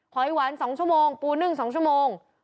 หอยหวาน๒ชั่วโมงปูนึ่ง๒ชั่วโมง